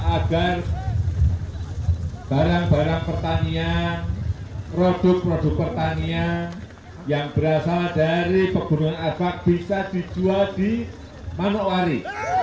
agar barang barang pertanian produk produk pertanian yang berasal dari pegunungan avak bisa dijual di manokwari